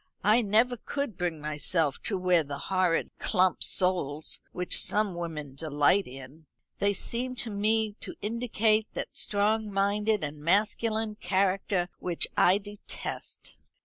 I never could bring myself to wear the horrid clump soles which some women delight in. They seem to me to indicate that strong minded and masculine character which I detest.